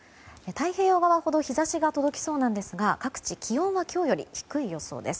太平洋側ほど日差しが届きそうなんですが各地、気温は今日より低い予想です。